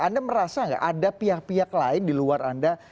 anda merasa nggak ada pihak pihak lain di luar anda